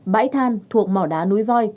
bãi than thuộc mỏ đá núi voi